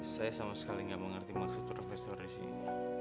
saya sama sekali tidak mengerti maksud profesor resi ini